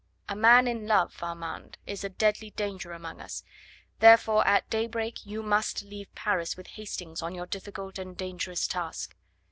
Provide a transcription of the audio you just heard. A man in love, Armand, is a deadly danger among us.... Therefore at daybreak you must leave Paris with Hastings on your difficult and dangerous task."